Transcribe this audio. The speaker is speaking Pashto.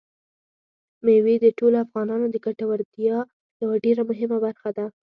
مېوې د ټولو افغانانو د ګټورتیا یوه ډېره مهمه برخه ده.